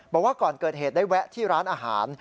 บอกว่าก่อนเกิดเหตุได้แวะที่ร้านอาหาร